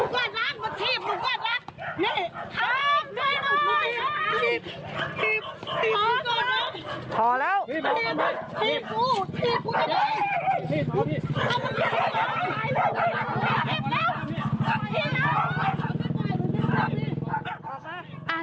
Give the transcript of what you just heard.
มึงกว้างน้ำละทีบมึงกว้างน้ำ